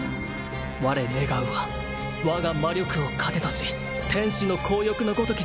我願うは我が魔力を糧とし天使の光翼の如き